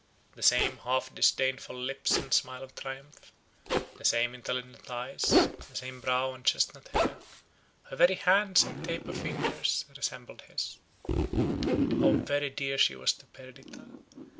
The same half disdainful lips and smile of triumph, the same intelligent eyes, the same brow and chestnut hair; her very hands and taper fingers resembled his. How very dear she was to Perdita!